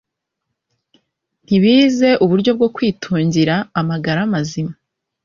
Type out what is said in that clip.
Ntibize uburyo bwo kwitungira amagara mazima